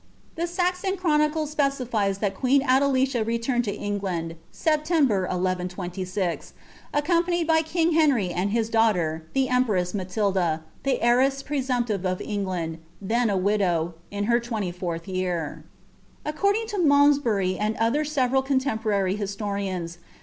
The Saxon Chronicle epecilies that queen Adelieia returned to Eng land. September, ll^a, accompanied by king Henry and his daughter^ th>' empress Matilda, the heiress presumptive of England, then a widow, in her twenty fourth year. According to Malmsbary and other several contemporary historians